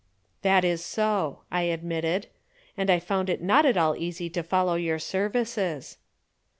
"That is so," I admitted. "And I found it not at all easy to follow your services."